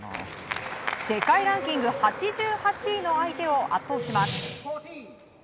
世界ランキング８８位の相手を圧倒します。